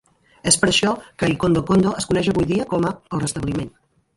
És per això que Ikondokondo es coneix avui dia com a "el Restabliment".